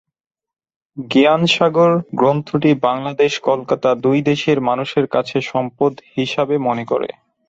জ্ঞান সাগর গ্রন্থটি বাংলাদেশ-কলকাতা দুই দেশের মানুষের কাছে সম্পদ হিসাবে মনে করে।